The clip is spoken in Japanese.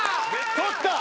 取った！